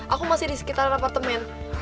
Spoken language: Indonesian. aku masih di sekitar apartemen